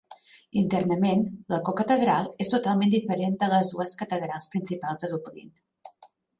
Internament, la co-catedral es totalment diferent de les dues catedrals principals de Dublin.